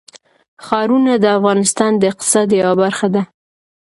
ښارونه د افغانستان د اقتصاد یوه برخه ده.